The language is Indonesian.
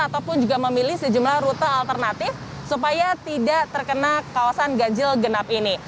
dan memilih sejumlah rute alternatif supaya tidak terkena kawasan ganjil genap ini